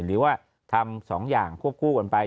หรือว่าทำ๒อย่างควบคู่กันไป